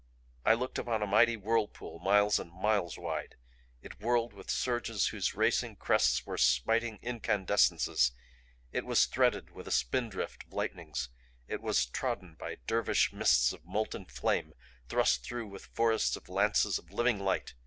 I looked upon a mighty whirlpool miles and miles wide. It whirled with surges whose racing crests were smiting incandescences; it was threaded with a spindrift of lightnings; it was trodden by dervish mists of molten flame thrust through with forests of lances of living light.